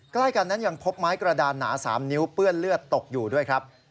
ใกล้กันนั้นยังพบไม้กระดานหนา๓นิ้วเปื้อนเลือดตกอยู่ด้วยครับ